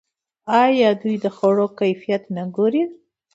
آیا دوی د خوړو کیفیت نه ګوري؟